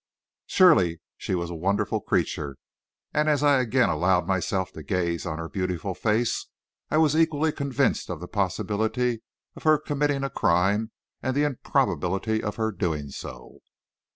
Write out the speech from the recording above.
Surely she was a wonderful creature, and as I again allowed myself to gaze on her beautiful face I was equally convinced of the possibility of her committing a crime and the improbability of her doing so.